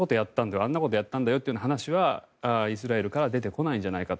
あんなことやったんだよという話はイスラエルから出てこないんじゃないかと。